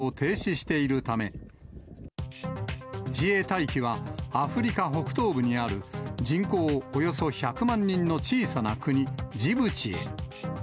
スーダン国内の空港は機能を停止しているため、自衛隊機は、アフリカ北東部にある人口およそ１００万人の小さな国、ジブチへ。